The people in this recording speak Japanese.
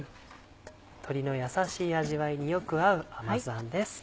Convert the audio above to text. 鶏の優しい味わいによく合う甘酢あんです。